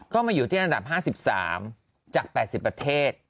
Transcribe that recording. ก็มาอยู่ที่อันดับ๕๓จาก๘๐ประเทศ